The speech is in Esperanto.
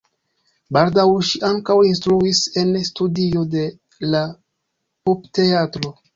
Baldaŭ ŝi ankaŭ instruis en studio de la Pupteatro.